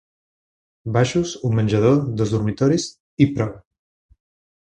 Baixos, un menjador, dos dormitoris, i prou